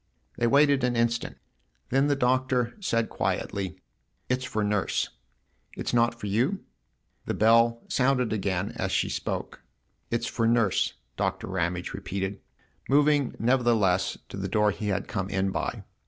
They waited an instant ; then the Doctor said quietly :" It's for Nurse !"" It's not for you ?" The bell sounded again as she spoke. "It's for Nurse," Doctor Ramage repeated, moving nevertheless to the door he had come in by.